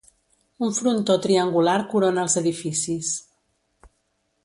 Un frontó triangular corona els edificis.